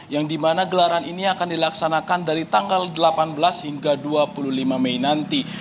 yang dimana gelaran ini akan dilaksanakan dari tanggal delapan belas hingga dua puluh lima mei nanti